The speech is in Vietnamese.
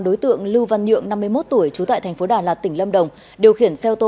đối tượng lưu văn nhượng năm mươi một tuổi trú tại thành phố đà lạt tỉnh lâm đồng điều khiển xe ô tô